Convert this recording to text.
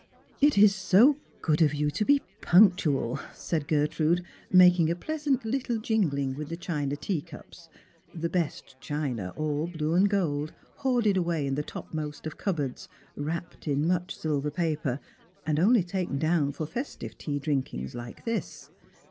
" It is so good of you to be punctual," said Gertrude, making a pleasant little jingb'ng with the china teacups ; the best china, all blue aud gold, hoarded away in the topmost of cupboards, wrapped in much silver paper, and only taken down for festive tea drinkings like this.